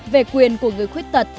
về quyền của người khuyết thật